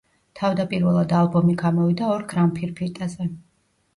თავდაპირველად ალბომი გამოვიდა ორ გრამფირფიტაზე.